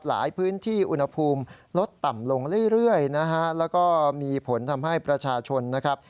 หลายพื้นที่อุณหภูมิลดต่ำลงเรื่อยนะฮะแล้วก็มีผลทำให้ประชาชนนะครับ